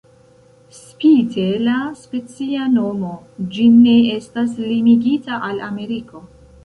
Spite la specia nomo, ĝi ne estas limigita al Ameriko.